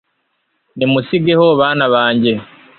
nimusigeho, bana banjye